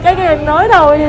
các em nói thôi